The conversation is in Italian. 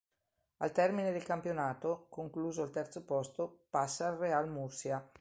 Al termine del campionato, concluso al terzo posto, passa al Real Murcia.